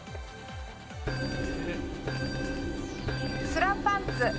スラパンツ。